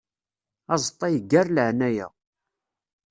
Aẓeṭṭa iggar laɛnaya.